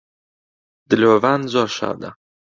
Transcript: دلۆڤان زۆر شادە